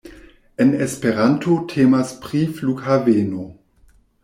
En Esperanto temas pri Flughaveno.